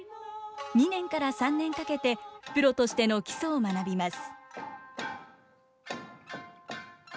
２年から３年かけてプロとしての基礎を学びます。